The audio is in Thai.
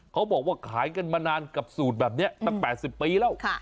เขาบอกว่าขายกันมานานกับสูตรแบบนี้ตั้ง๘๐ปีแล้ว